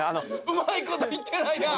上手いこといってないな。